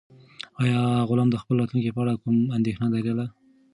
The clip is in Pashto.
آیا غلام د خپل راتلونکي په اړه کومه اندېښنه لرله؟